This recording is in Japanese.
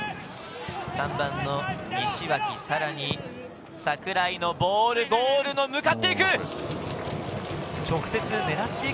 ３番の西脇、さらに櫻井のボール、ゴールに向かっていく。